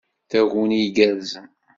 Taguni igerrzen!